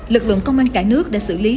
lực lượng công an cả nước đã xử lý